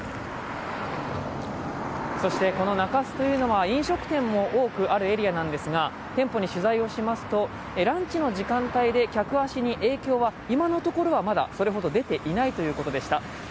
この中洲というのは、飲食店も多くあるエリアなんですが、店舗に取材をしますと、ランチの時間帯で客足に影響は今のところはまだそれほど出ていないということでした。